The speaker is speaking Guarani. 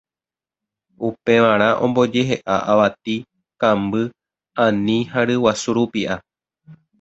Upevarã ombojehe'a avati, kamby, ani ha ryguasu rupi'a